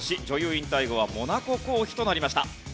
引退後はモナコ公妃となりました。